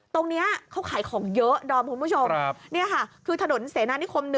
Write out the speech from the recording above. ตรงนี้เขาขายของเยอะดอมคุณผู้ชมนี่ค่ะคือถนนเสนานิคม๑